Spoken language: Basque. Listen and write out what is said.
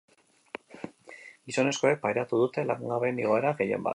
Gizonezkoek pairatu dute langabeen igoera, gehien bat.